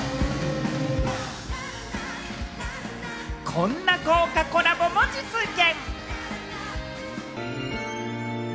こんな豪華コラボも実現！